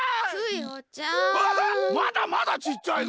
まだまだちっちゃいぞ？